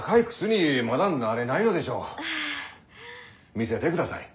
見せてください。